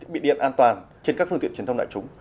bị điện an toàn trên các phương tiện truyền thông đại chúng